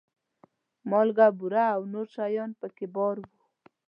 مالګه، بوره او نور شیان په کې بار وو.